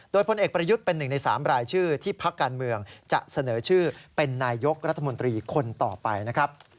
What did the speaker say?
โดยพลเอกประยุทธ์เป็นหนึ่งใน๓รายชื่อที่พักการเมืองจะเสนอชื่อเป็นนายยกรัฐมนตรีคนต่อไปนะครับ